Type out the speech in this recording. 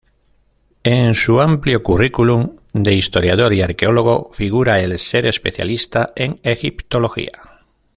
En su amplio currículum de historiador y arqueólogo, figura el ser especialista en egiptología.